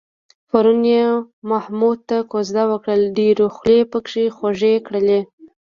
پرون یې محمود ته کوزده وکړله، ډېرو خولې پکې خوږې کړلې.